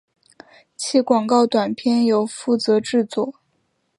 其广告短片由负责制作。